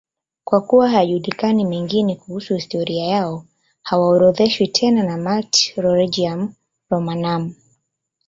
Kwa kuwa hayajulikani mengine kuhusu historia yao, hawaorodheshwi tena na Martyrologium Romanum.